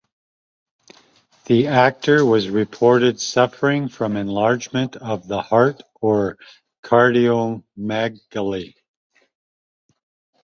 The actor was reported suffering from enlargement of the heart or cardiomegaly.